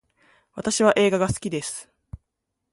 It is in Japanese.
私は映画が好きです